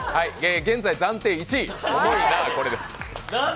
現在、暫定１位「重いなぁこれ」です。